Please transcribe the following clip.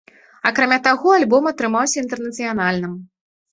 Акрамя таго, альбом атрымаўся інтэрнацыянальным.